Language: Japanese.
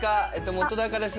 本です。